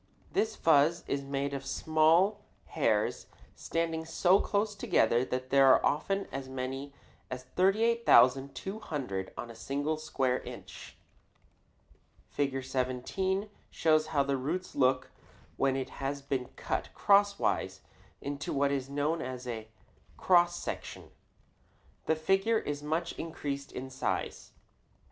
This fuzz is made of small hairs standing so close together that there are often as many as 38,200 on a single square inch. Fig. 17 shows how a root looks when it has been cut crosswise into what is known as a cross section. The figure is much increased in size.